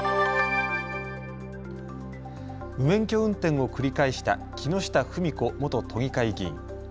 無免許運転を繰り返した木下富美子元都議会議員。